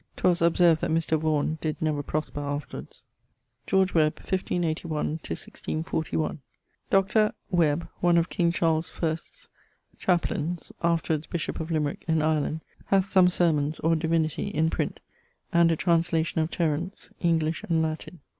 'Twas observed that Mr. Vaughan did never prosper afterwards. =George Webb= (1581 1641). Dr. ... Webbe, one of king Charles I's chaplaines, afterwards bishop of Limrick in Ireland, hath some sermons, or divinity, in print; and a translation of Terence, English and Latin.